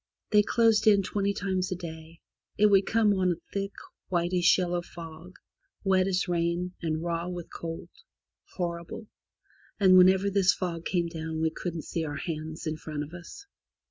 They closed in twenty times a day. It would come on a thick whitish yellow fog, wet as rain, and raw with cold — horrible! — and whenever this fog came down we couldn't see our hands in front of us.